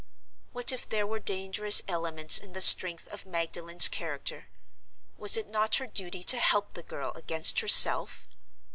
What if there were dangerous elements in the strength of Magdalen's character—was it not her duty to help the girl against herself?